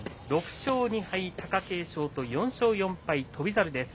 ６勝２敗、貴景勝と、４勝４敗、翔猿です。